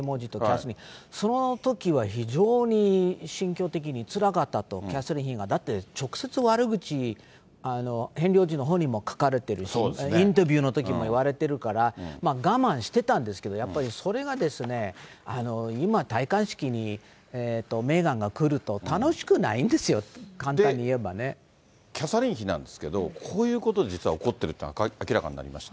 そのときは非常に心境的につらかったと、キャサリン妃が。だって直接悪口、ヘンリー王子の本にも書かれているし、インタビューのときにも言われてるから、我慢してたんですけど、やっぱり、それがですね、今、戴冠式にメーガンが来ると楽しくないんですよ、簡単に言えばキャサリン妃なんですけれども、こういうこと、実はおこってるってことが明らかになりまして。